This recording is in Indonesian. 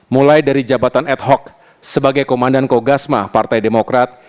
mulai dari jabatan ad hoc sebagai komandan kogasma partai demokrat